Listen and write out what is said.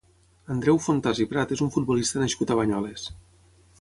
Andreu Fontàs i Prat és un futbolista nascut a Banyoles.